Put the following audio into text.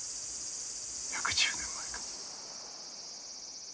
１１０年前から。